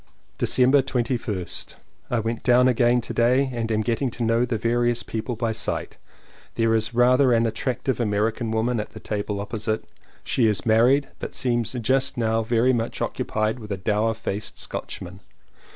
December 21st. I went down again to day and am getting to know the various people by sight. There is rather an attractive American woman at the table opposite; she is married, but seems just now very much occupied with a dour faced Scotchman.